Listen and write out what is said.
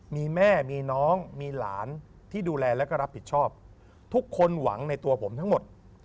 มีแม่มีน้องมีหลานที่ดูแลแล้วก็รับผิดชอบทุกคนหวังในตัวผมทั้งหมด